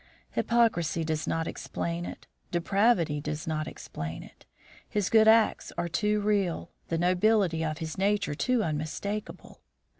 Hypocrisy does not explain it; depravity does not explain it; his good acts are too real, the nobility of his nature too unmistakable.